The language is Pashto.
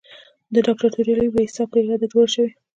د ډاکټر توریالي ویسا په اراده جوړ شوی.